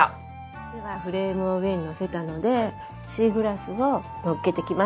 ではフレームを上にのせたのでシーグラスをのっけていきます。